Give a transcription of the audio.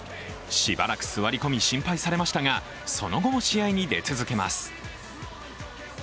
しばらく座り込み、心配されましたが、その後も試合に出続けます。